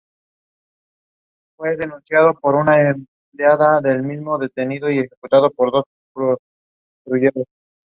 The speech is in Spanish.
Se ausenta de la Arquidiócesis por motivos de salud.